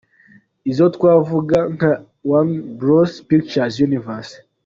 izo twavuga nka Warner Bros Pictures, Universal.